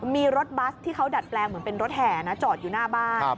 มีรถบัสที่เขาดัดแปลงเหมือนเป็นรถแห่นะจอดอยู่หน้าบ้าน